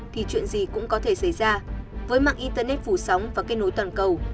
thật ra với mạng internet phủ sóng và kết nối toàn cầu